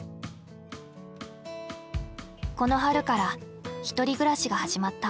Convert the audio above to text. この春から１人暮らしが始まった。